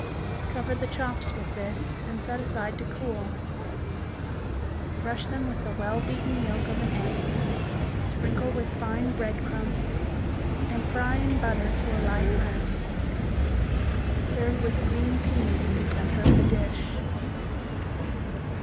Cover the chops with this and set aside to cool. Brush them with the well beaten yolk of an egg, sprinkle with fine bread crumbs, and fry in butter to a light brown. Serve with green peas in the center of the dish.